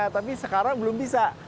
tapi sekarang belum bisa